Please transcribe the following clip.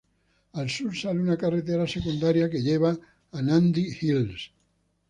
Al sur sale una carretera secundaria que lleva a Nandi Hills.